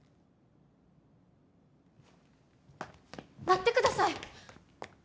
待ってください！